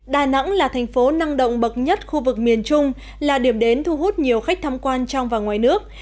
đà nẵng là thành phố năng động bậc nhất khu vực miền trung là điểm đến thu hút nhiều khách tham quan trong và ngoài nước